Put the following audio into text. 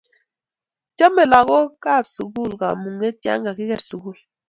chomei lagokab sukul kamung'et ya kikiger sukul